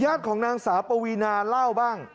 ของนางสาวปวีนาเล่าบ้าง